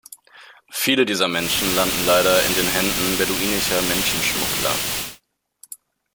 Viele dieser Menschen landen leider in den Händen beduinischer Menschenschmuggler.